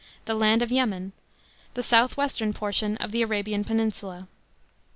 the land of Yemen, the south western portion of the Arabian peninsula.